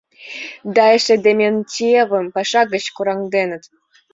Да эше Дементьевым паша гыч кораҥденыт...